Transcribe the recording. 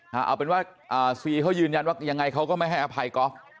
เอาเป็นว่าซีเขายืนยันว่ายังไงเขาก็ไม่ให้อภัยกอล์ฟ